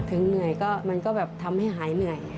เหนื่อยก็มันก็แบบทำให้หายเหนื่อย